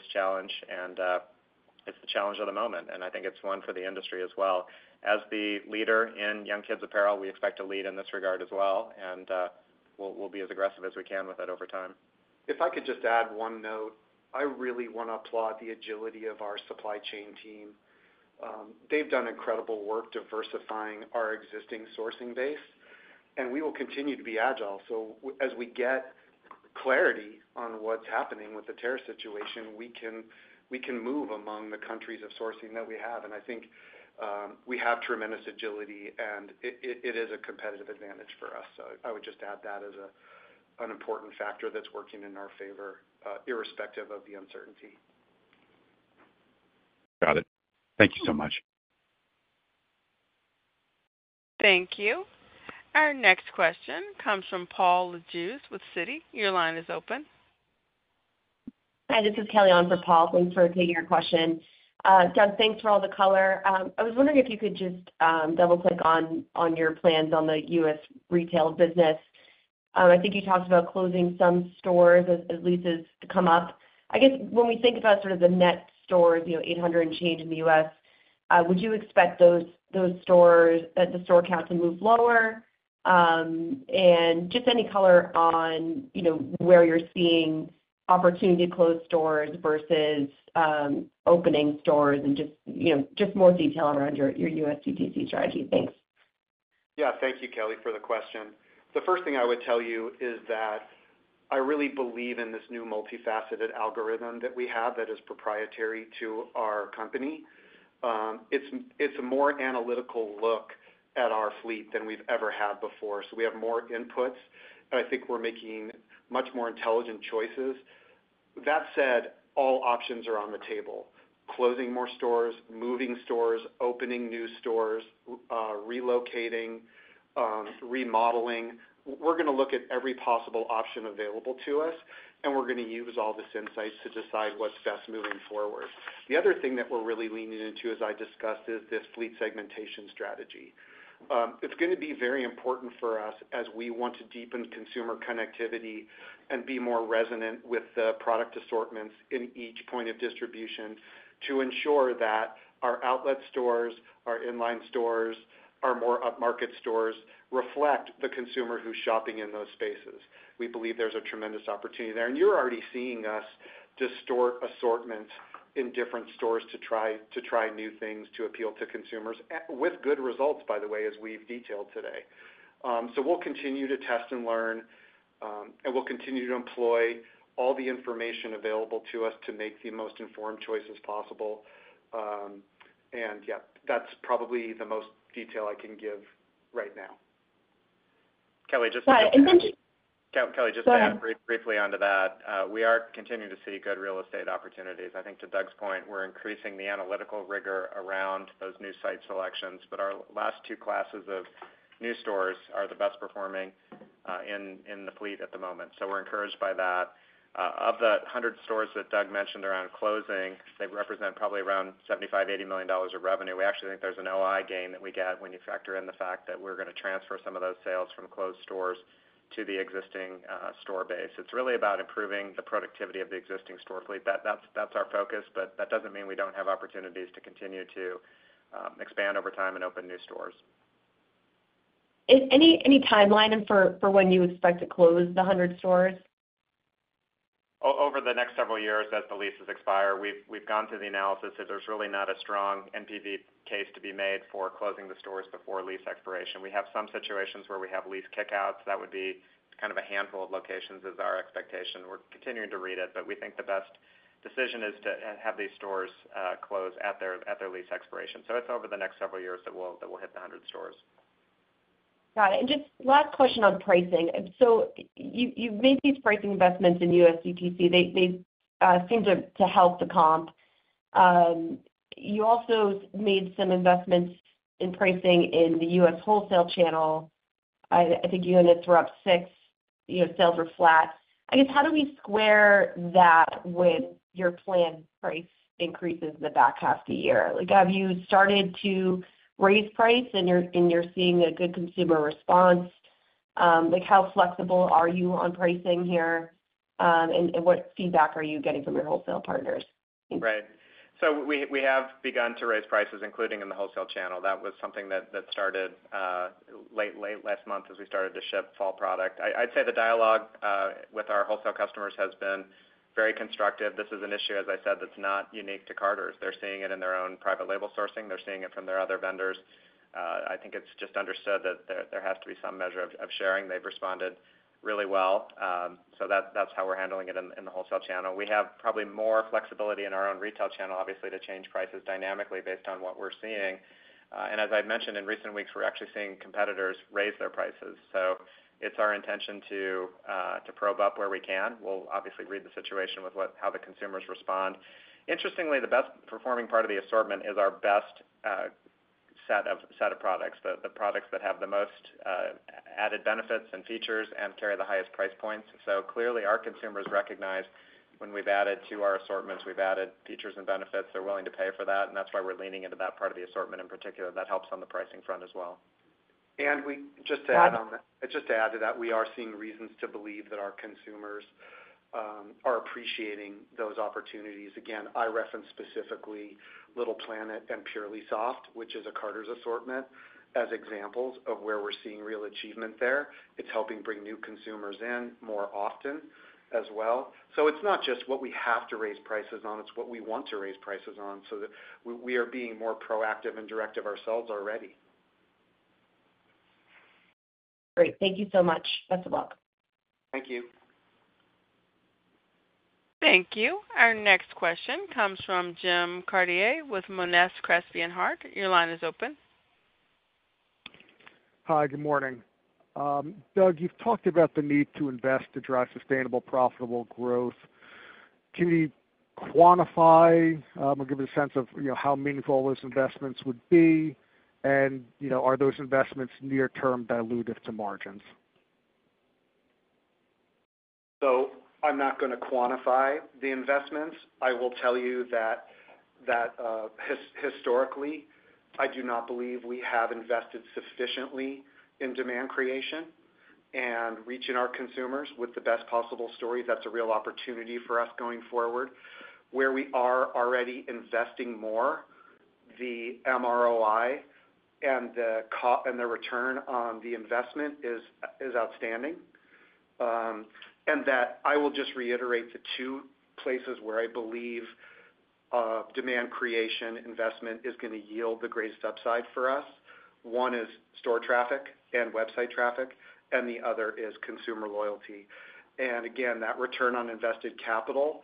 challenge, and it's the challenge of the moment. I think it's one for the industry as well. As the leader in young kids' apparel, we expect to lead in this regard as well, and we'll be as aggressive as we can with it over time. If I could just add one note, I really want to applaud the agility of our supply chain team. They've done incredible work diversifying our existing sourcing base, and we will continue to be agile. As we get clarity on what's happening with the tariff situation, we can move among the countries of sourcing that we have. I think we have tremendous agility, and it is a competitive advantage for us. I would just add that as an important factor that's working in our favor, irrespective of the uncertainty. Got it. Thank you so much. Thank you. Our next question comes from Paul Lejuez with Citi. Your line is open. Hi, this is Kelly on for Paul. Thanks for taking your question. Doug, thanks for all the color. I was wondering if you could just double-click on your plans on the U.S. retail business. I think you talked about closing some stores as leases come up. I guess when we think about sort of the net stores, you know, 800 and change in the U.S., would you expect those stores, the store count to move lower? Any color on where you're seeing opportunity to close stores versus opening stores and just more detail around your U.S. GTC strategy. Thanks. Thank you, Kelly, for the question. The first thing I would tell you is that I really believe in this new multifaceted algorithm that we have that is proprietary to our company. It's a more analytical look at our fleet than we've ever had before. We have more inputs, and I think we're making much more intelligent choices. That said, all options are on the table: closing more stores, moving stores, opening new stores, relocating, remodeling. We're going to look at every possible option available to us, and we're going to use all this insight to decide what's best moving forward. The other thing that we're really leaning into, as I discussed, is this fleet segmentation strategy. It's going to be very important for us as we want to deepen consumer connectivity and be more resonant with the product assortments in each point of distribution to ensure that our outlet stores, our inline stores, our more upmarket stores reflect the consumer who's shopping in those spaces. We believe there's a tremendous opportunity there, and you're already seeing us distort assortments in different stores to try new things to appeal to consumers with good results, by the way, as we've detailed today. We will continue to test and learn, and we'll continue to employ all the information available to us to make the most informed choices possible. That's probably the most detail I can give right now. Kelly, just to add briefly onto that, we are continuing to see good real estate opportunities. I think to Doug's point, we're increasing the analytical rigor around those new site selections, but our last two classes of new stores are the best performing in the fleet at the moment. We are encouraged by that. Of the 100 stores that Doug mentioned around closing, they represent probably around $75 million-$80 million of revenue. We actually think there's an operating income gain that we get when you factor in the fact that we're going to transfer some of those sales from closed stores to the existing store base. It's really about improving the productivity of the existing store fleet. That's our focus, but that doesn't mean we don't have opportunities to continue to expand over time and open new stores. Any timeline for when you expect to close the 100 stores? Over the next several years, as the leases expire, we've gone through the analysis that there's really not a strong NPV case to be made for closing the stores before lease expiration. We have some situations where we have lease kickouts. That would be kind of a handful of locations is our expectation. We're continuing to read it, but we think the best decision is to have these stores close at their lease expiration. It's over the next several years that we'll hit the 100 stores. Got it. Just last question on pricing. You've made these pricing investments in U.S. GTC. They seem to help the comp. You also made some investments in pricing in the U.S. wholesale channel. I think you and us were up 6%. Sales were flat. How do we square that with your planned price increases in the back half of the year? Have you started to raise price and you're seeing a good consumer response? How flexible are you on pricing here? What feedback are you getting from your wholesale partners? Right. We have begun to raise prices, including in the wholesale channel. That was something that started late last month as we started to ship fall product. I'd say the dialogue with our wholesale customers has been very constructive. This is an issue, as I said, that's not unique to Carter's. They're seeing it in their own private label sourcing. They're seeing it from their other vendors. I think it's just understood that there has to be some measure of sharing. They've responded really well. That's how we're handling it in the wholesale channel. We have probably more flexibility in our own retail channel, obviously, to change prices dynamically based on what we're seeing. As I've mentioned in recent weeks, we're actually seeing competitors raise their prices. It's our intention to probe up where we can. We'll obviously read the situation with how the consumers respond. Interestingly, the best performing part of the assortment is our best set of products, the products that have the most added benefits and features and carry the highest price points. Clearly, our consumers recognize when we've added to our assortments, we've added features and benefits. They're willing to pay for that. That's why we're leaning into that part of the assortment in particular. That helps on the pricing front as well. To add to that, we are seeing reasons to believe that our consumers are appreciating those opportunities. I referenced specifically Little Planet and PurelySoft, which is a Carter’s assortment, as examples of where we're seeing real achievement there. It's helping bring new consumers in more often as well. It's not just what we have to raise prices on. It's what we want to raise prices on so that we are being more proactive and directive ourselves already. Great, thank you so much. That's a lot. Thank you. Thank you. Our next question comes from Jim Cartier with Monness, Crespi & Hardt. Your line is open. Hi, good morning. Doug, you've talked about the need to invest to drive sustainable, profitable growth. Can you quantify or give us a sense of how meaningful those investments would be, and are those investments near-term dilutive to margins? I'm not going to quantify the investments. I will tell you that historically, I do not believe we have invested sufficiently in demand creation and reaching our consumers with the best possible story. That's a real opportunity for us going forward. Where we are already investing more, the MROI and the return on the investment is outstanding. I will just reiterate the two places where I believe demand creation investment is going to yield the greatest upside for us. One is store traffic and website traffic, and the other is consumer loyalty. That return on invested capital,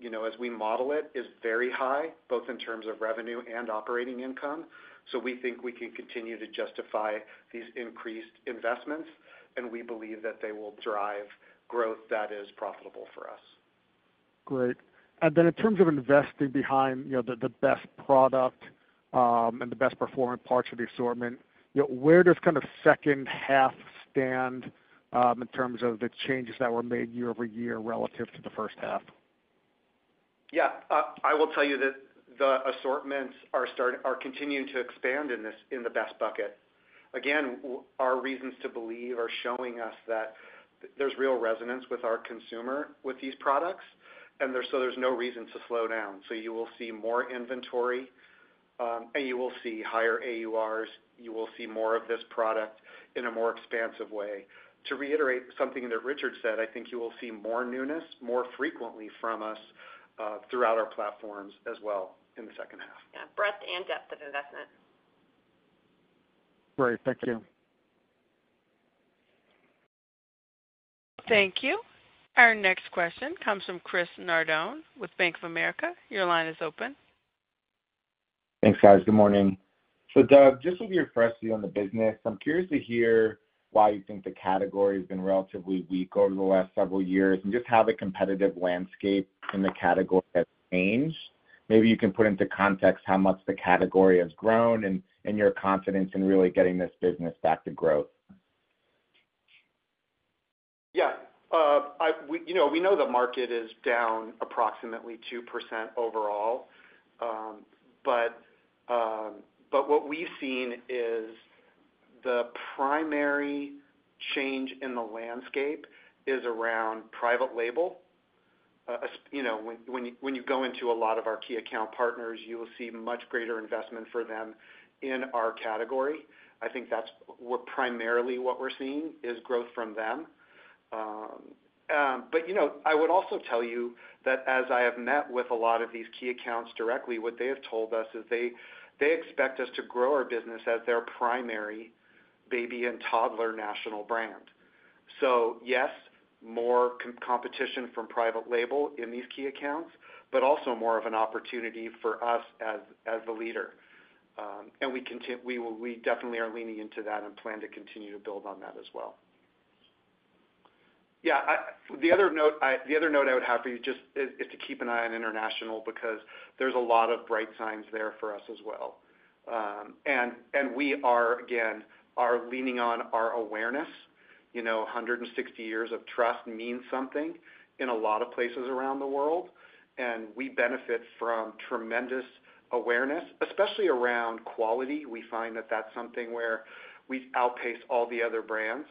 you know, as we model it, is very high, both in terms of revenue and operating income. We think we can continue to justify these increased investments, and we believe that they will drive growth that is profitable for us. Great. In terms of investing behind the best product and the best performing parts of the assortment, where does kind of second half stand in terms of the changes that were made year-over-year relative to the first half? Yeah, I will tell you that the assortments are continuing to expand in the best bucket. Again, our reasons to believe are showing us that there's real resonance with our consumer with these products, and there's no reason to slow down. You will see more inventory, and you will see higher AURs. You will see more of this product in a more expansive way. To reiterate something that Richard said, I think you will see more newness more frequently from us throughout our platforms as well in the second half. Yeah, breadth and depth of investment. Great. Thank you. Thank you. Our next question comes from Christopher Nardone with Bank of America. Your line is open. Thanks, guys. Good morning. Doug, with your fresh view on the business, I'm curious to hear why you think the category has been relatively weak over the last several years and just how the competitive landscape in the category has changed. Maybe you can put into context how much the category has grown and your confidence in really getting this business back to growth. Yeah. You know, we know the market is down approximately 2% overall. What we've seen is the primary change in the landscape is around private label. You know, when you go into a lot of our key account partners, you will see much greater investment for them in our category. I think that's primarily what we're seeing is growth from them. I would also tell you that as I have met with a lot of these key accounts directly, what they have told us is they expect us to grow our business as their primary baby and toddler national brand. Yes, more competition from private label in these key accounts, but also more of an opportunity for us as the leader. We definitely are leaning into that and plan to continue to build on that as well. The other note I would have for you is to keep an eye on international because there's a lot of bright signs there for us as well. We are, again, leaning on our awareness. You know, 160 years of trust means something in a lot of places around the world. We benefit from tremendous awareness, especially around quality. We find that that's something where we outpace all the other brands.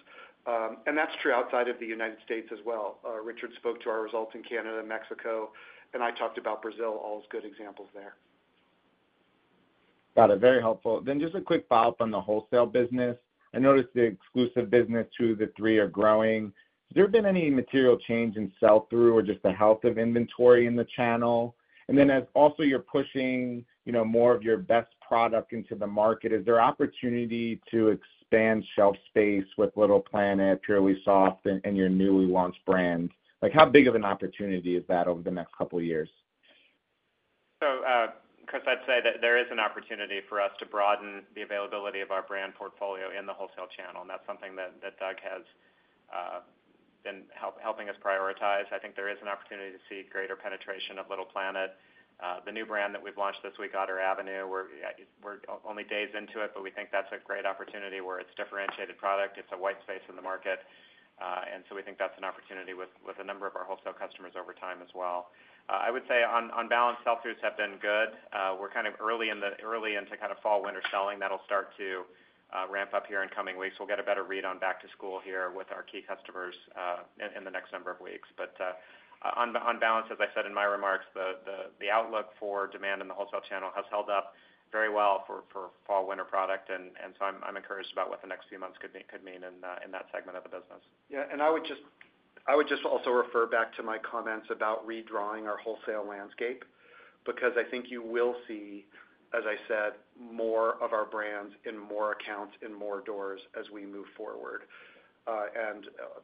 That's true outside of the United States as well. Richard spoke to our results in Canada and Mexico, and I talked about Brazil, all as good examples there. Got it. Very helpful. Just a quick follow-up on the wholesale business. I noticed the exclusive business through the three are growing. Has there been any material change in sell-through or just the health of inventory in the channel? As you're pushing more of your best product into the market, is there opportunity to expand shelf space with Little Planet, PurelySoft, and your newly launched brand? How big of an opportunity is that over the next couple of years? Chris, I'd say that there is an opportunity for us to broaden the availability of our brand portfolio in the wholesale channel. That's something that Doug has been helping us prioritize. I think there is an opportunity to see greater penetration of Little Planet. The new brand that we've launched this week, Otter Avenue, we're only days into it, but we think that's a great opportunity where it's a differentiated product. It's a white space in the market, and we think that's an opportunity with a number of our wholesale customers over time as well. I would say on balance, sell-throughs have been good. We're kind of early into fall-winter selling. That'll start to ramp up here in coming weeks. We'll get a better read on back to school here with our key customers in the next number of weeks. On balance, as I said in my remarks, the outlook for demand in the wholesale channel has held up very well for fall-winter product. I'm encouraged about what the next few months could mean in that segment of the business. I would just also refer back to my comments about redrawing our wholesale landscape because I think you will see, as I said, more of our brands in more accounts in more doors as we move forward.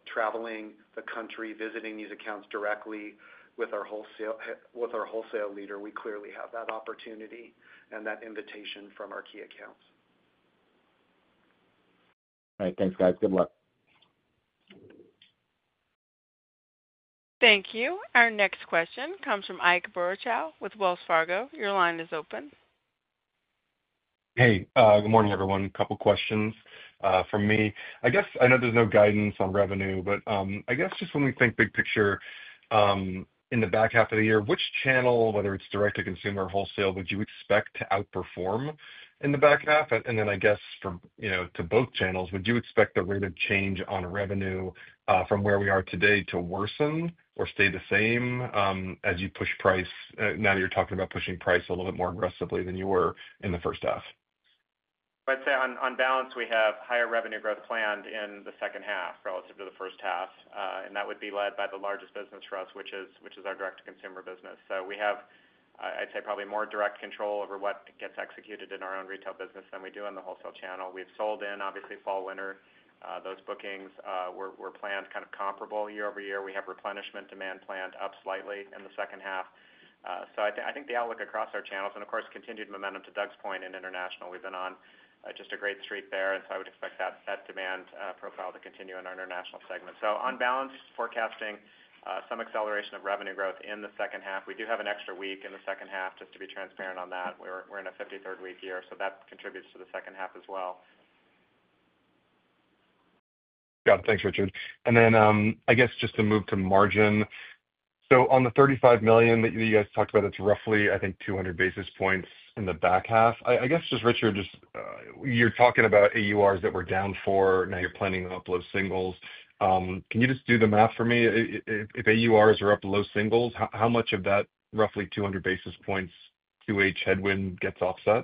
Traveling the country, visiting these accounts directly with our wholesale leader, we clearly have that opportunity and that invitation from our key accounts. All right. Thanks, guys. Good luck. Thank you. Our next question comes from Ike Boruchow with Wells Fargo. Your line is open. Hey, good morning, everyone. A couple of questions from me. I know there's no guidance on revenue, but just when we think big picture in the back half of the year, which channel, whether it's direct to consumer or wholesale, would you expect to outperform in the back half? For both channels, would you expect the rate of change on revenue from where we are today to worsen or stay the same as you push price now that you're talking about pushing price a little bit more aggressively than you were in the first half? I'd say on balance, we have higher revenue growth planned in the second half relative to the first half. That would be led by the largest business for us, which is our direct-to-consumer business. We have, I'd say, probably more direct control over what gets executed in our own retail business than we do in the wholesale channel. We've sold in, obviously, fall-winter. Those bookings were planned kind of comparable year-over-year. We have replenishment demand planned up slightly in the second half. I think the outlook across our channels, and of course, continued momentum to Doug's point in international, we've been on just a great streak there. I would expect that demand profile to continue in our international segment. On balance, forecasting some acceleration of revenue growth in the second half. We do have an extra week in the second half, just to be transparent on that. We're in a 53rd week year, so that contributes to the second half as well. Got it. Thanks, Richard. I guess just to move to margin. On the $35 million that you guys talked about, it's roughly, I think, 200 basis points in the back half. Richard, you're talking about AURs that were down for, now you're planning to up low singles. Can you just do the math for me? If AURs are up low singles, how much of that roughly 200 basis points Q4 headwind gets offset?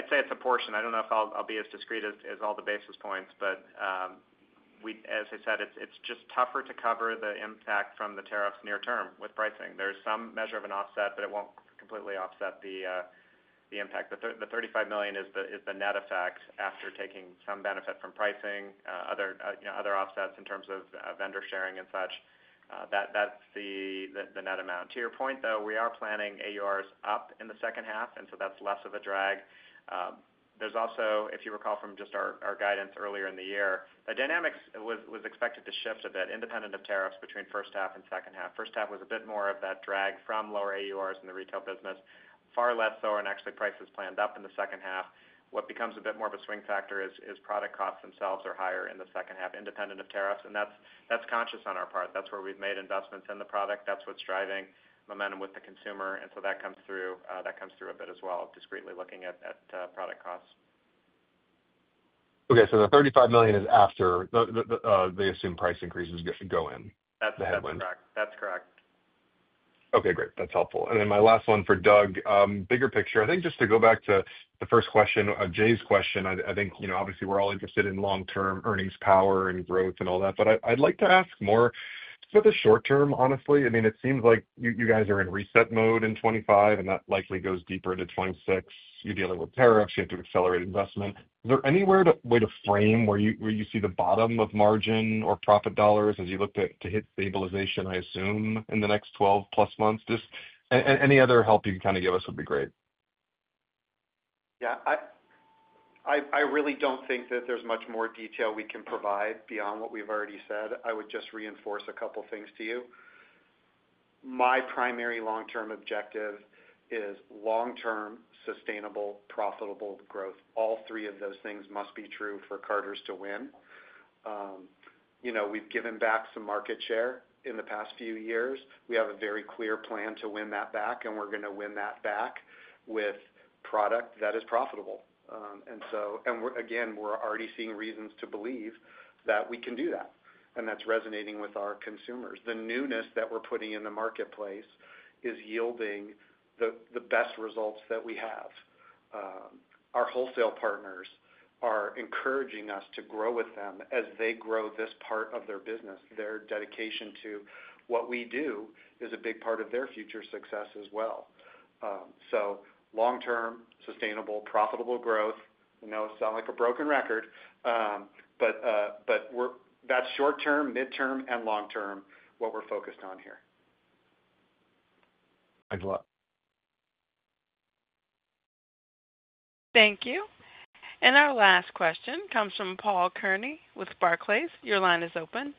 I’d say it’s a portion. I don’t know if I’ll be as discreet as all the basis points, but as I said, it’s just tougher to cover the impact from the tariffs near term with pricing. There’s some measure of an offset, but it won’t completely offset the impact. The $35 million is the net effect after taking some benefit from pricing, other offsets in terms of vendor sharing and such. That’s the net amount. To your point, though, we are planning AURs up in the second half, and so that’s less of a drag. There’s also, if you recall from just our guidance earlier in the year, dynamics was expected to shift a bit independent of tariffs between first half and second half. First half was a bit more of that drag from lower AURs in the retail business, far less so, and actually prices planned up in the second half. What becomes a bit more of a swing factor is product costs themselves are higher in the second half independent of tariffs, and that’s conscious on our part. That’s where we’ve made investments in the product. That’s what’s driving momentum with the consumer. That comes through a bit as well, discreetly looking at product costs. Okay. The $35 million is after the assumed price increases go in. That's correct. That's correct. Okay. Great. That's helpful. My last one for Doug, bigger picture, just to go back to the first question, Jay's question, obviously we're all interested in long-term earnings power and growth and all that, but I'd like to ask more for the short term, honestly. It seems like you guys are in reset mode in 2025, and that likely goes deeper into 2026. You're dealing with tariffs. You have to accelerate investment. Is there anywhere to frame where you see the bottom of margin or profit dollars as you look to hit stabilization, I assume, in the next 12+ months? Any other help you can kind of give us would be great. I really don't think that there's much more detail we can provide beyond what we've already said. I would just reinforce a couple of things to you. My primary long-term objective is long-term, sustainable, profitable growth. All three of those things must be true for Carter's to win. We've given back some market share in the past few years. We have a very clear plan to win that back, and we're going to win that back with product that is profitable. We're already seeing reasons to believe that we can do that, and that's resonating with our consumers. The newness that we're putting in the marketplace is yielding the best results that we have. Our wholesale partners are encouraging us to grow with them as they grow this part of their business. Their dedication to what we do is a big part of their future success as well. Long-term, sustainable, profitable growth sounds like a broken record, but that's short term, midterm, and long term what we're focused on here. Thanks a lot. Thank you. Our last question comes from Paul Kearney with Barclays. Your line is open.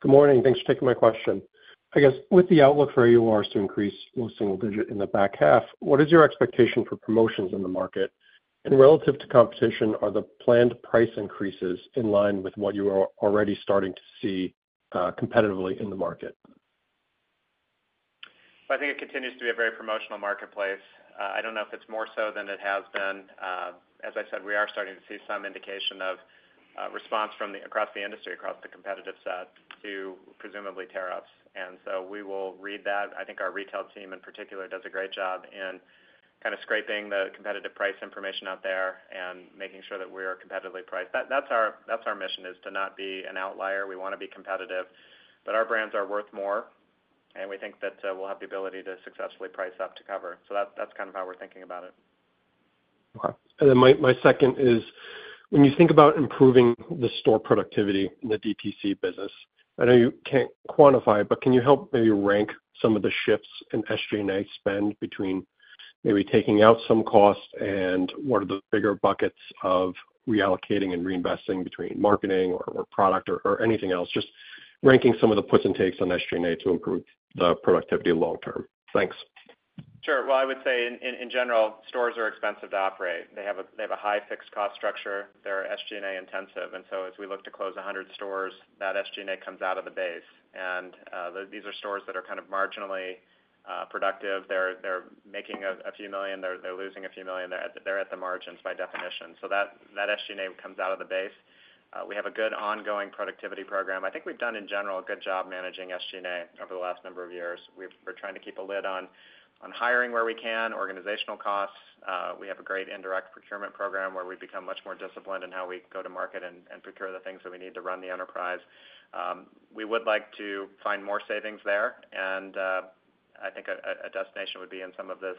Good morning. Thanks for taking my question. I guess with the outlook for AURs to increase mid single digit in the back half, what is your expectation for promotions in the market? Relative to competition, are the planned price increases in line with what you are already starting to see competitively in the market? I think it continues to be a very promotional marketplace. I don't know if it's more so than it has been. As I said, we are starting to see some indication of response from across the industry, across the competitive set to presumably tariffs. We will read that. I think our Retail team in particular does a great job in kind of scraping the competitive price information out there and making sure that we're competitively priced. That's our mission, to not be an outlier. We want to be competitive, but our brands are worth more, and we think that we'll have the ability to successfully price up to cover. That's kind of how we're thinking about it. Okay. My second is when you think about improving the store productivity in the DTC business, I know you can't quantify it, but can you help maybe rank some of the shifts in SG&A spend between maybe taking out some cost and what are the bigger buckets of reallocating and reinvesting between marketing or product or anything else? Just ranking some of the puts and takes on SG&A to improve the productivity long term. Thanks. Sure. I would say in general, stores are expensive to operate. They have a high fixed cost structure. They're SG&A intensive. As we look to close 100 stores, that SG&A comes out of the base. These are stores that are kind of marginally productive. They're making a few million. They're losing a few million. They're at the margins by definition. That SG&A comes out of the base. We have a good ongoing productivity program. I think we've done in general a good job managing SG&A over the last number of years. We're trying to keep a lid on hiring where we can, organizational costs. We have a great indirect procurement program where we've become much more disciplined in how we go to market and procure the things that we need to run the enterprise. We would like to find more savings there. I think a destination would be in some of those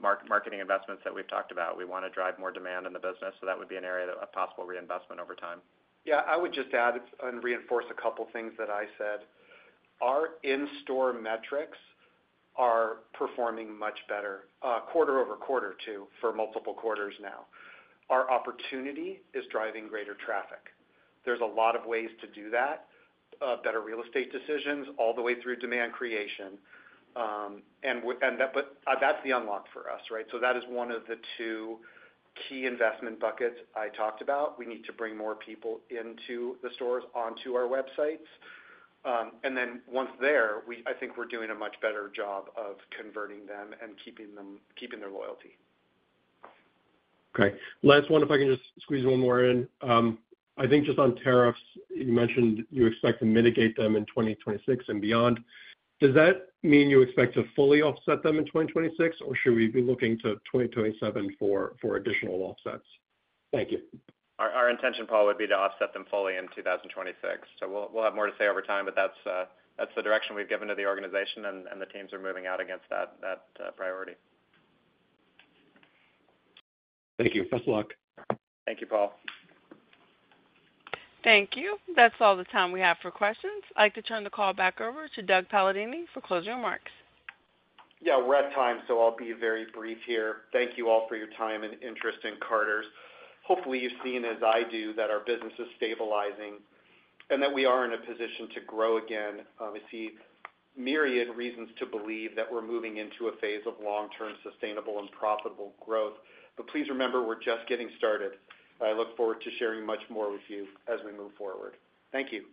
marketing investments that we've talked about. We want to drive more demand in the business. That would be an area of possible reinvestment over time. I would just add and reinforce a couple of things that I said. Our in-store metrics are performing much better, quarter over quarter too, for multiple quarters now. Our opportunity is driving greater traffic. There are a lot of ways to do that, better real estate decisions, all the way through demand creation. That is the unlock for us, right? That is one of the two key investment buckets I talked about. We need to bring more people into the stores onto our websites. Once there, I think we're doing a much better job of converting them and keeping their loyalty. Okay. Last one, if I can just squeeze one more in. I think just on tariffs, you mentioned you expect to mitigate them in 2026 and beyond. Does that mean you expect to fully offset them in 2026, or should we be looking to 2027 for additional offsets? Thank you. Our intention, Paul, would be to offset them fully in 2026. We will have more to say over time, but that's the direction we've given to the organization, and the teams are moving out against that priority. Thank you. Best of luck. Thank you, Paul. Thank you. That's all the time we have for questions. I'd like to turn the call back over to Doug Palladini for closing remarks. Yeah, we're at time, so I'll be very brief here. Thank you all for your time and interest in Carter's. Hopefully, you've seen, as I do, that our business is stabilizing and that we are in a position to grow again. I see myriad reasons to believe that we're moving into a phase of long-term sustainable and profitable growth. Please remember, we're just getting started. I look forward to sharing much more with you as we move forward. Thank you.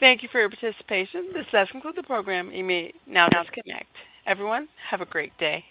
Thank you for your participation. This does conclude the program. You may now disconnect. Everyone, have a great day.